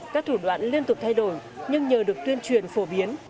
các thủ đoạn liên tục thay đổi nhưng nhờ được tuyên truyền phổ biến